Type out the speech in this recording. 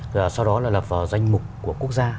rồi sau đó là lập vào danh mục của quốc gia